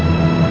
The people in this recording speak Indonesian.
nanti gue jalan